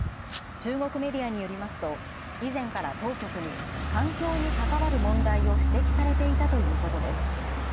中国メディアによると以前から当局に環境にかかわる問題を指摘されていたということです。